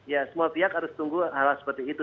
ya semua pihak harus tunggu hal hal seperti itu